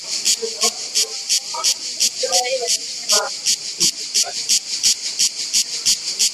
kuthibitisha madai ya aina yoyote chini ya ushirika wa nchi za maziwa makuu